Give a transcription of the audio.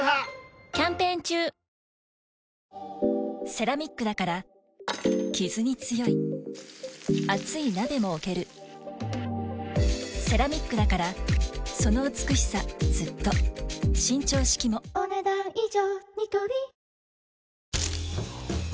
セラミックだからキズに強い熱い鍋も置けるセラミックだからその美しさずっと伸長式もお、ねだん以上。